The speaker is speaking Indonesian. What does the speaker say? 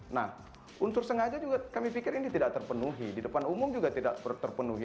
nah unsur sengaja juga kami pikir ini tidak terpenuhi di depan umum juga tidak terpenuhi